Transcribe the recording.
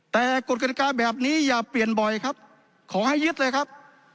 แต่กฎกฎิกาแบบนี้อย่าเปลี่ยนบ่อยครับขอให้ยึดเลยครับ